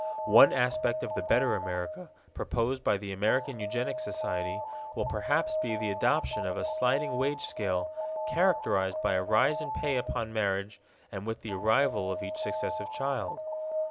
One aspect of the better America, proposed by the American Eugenic Society, will perhaps be the adoption of a sliding wage scale, characterized by a rise in pay upon marriage and with the arrival of each successive child.